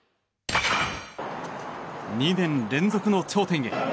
２年連続の頂点へ。